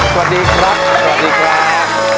สวัสดีครับ